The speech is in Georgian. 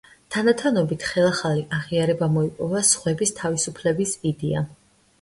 თანდათანობით ხელახალი აღიარება მოიპოვა ზღვების თავისუფლების იდეამ.